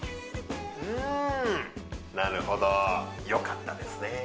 うんなるほどよかったですね